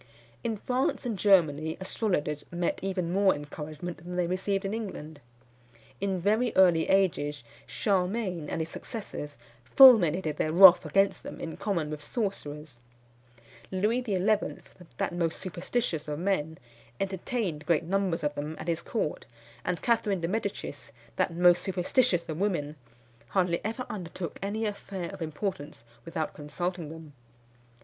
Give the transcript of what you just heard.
_" In France and Germany astrologers met even more encouragement than they received in England. In very early ages Charlemagne and his successors fulminated their wrath against them in common with sorcerers. Louis XI., that most superstitious of men, entertained great numbers of them at his court; and Catherine de Medicis, that most superstitious of women, hardly ever undertook any affair of importance without consulting them.